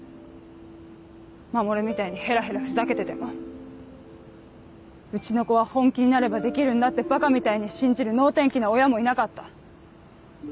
守みたいにヘラヘラふざけててもうちの子は本気になればできるんだってばかみたいに信じる能天気な親もいなかった。